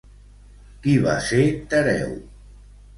Qui va ser Tereu?